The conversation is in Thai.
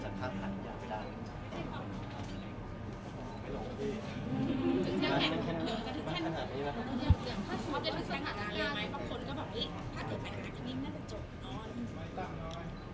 ถ้าคุณคิดถึงสถานการณ์กับคนก็บอกเอ๊ะถ้าเกิดปัญหาที่นี่น่าจะจบนอน